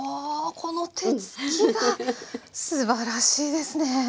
この手つきがすばらしいですね！